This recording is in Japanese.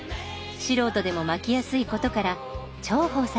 素人でも巻きやすいことから重宝されます。